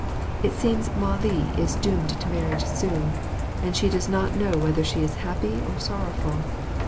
It seems Mah li is doomed to marriage soon, and she does not know whether she is happy or sorrowful.